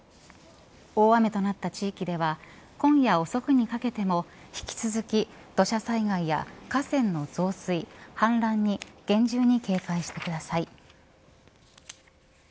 大雨となった地域では今夜遅くにかけても引き続き土砂災害や河川の増水、氾濫に厳重に警戒してください。